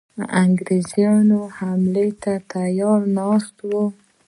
انګرېزان حملې ته تیار ناست وه.